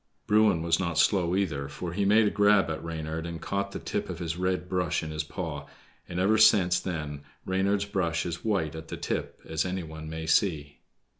Bruin was not slow either, for he made a grab at Reynard and caught the tip of his red brush in his paw; and ever since then Reynard's brush is white at the tip, as any one may see.